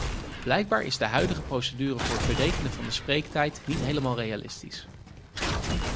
Blijkbaar is de huidige procedure voor het berekenen van de spreektijd niet helemaal realistisch.